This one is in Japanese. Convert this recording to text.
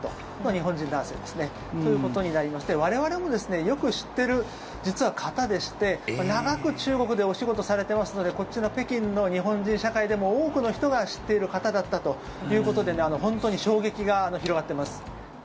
日本人男性ですね。ということになりまして、我々も実はよく知っている方でして長く中国でお仕事されてますのでこっちの北京の日本人社会でも多くの人が知っている方だったということで本当に衝撃が広がっています。